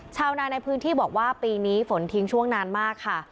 ชาวนาในพื้นที่บอกว่าปีนี้ฝนทิ้งช่วงนานมากค่ะ